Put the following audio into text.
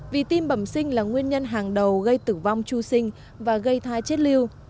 vì tim bẩm sinh là nguyên nhân hàng đầu gây tử vong tru sinh và gây thai chết lưu